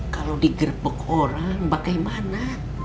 kalau digerbek orang bagaimana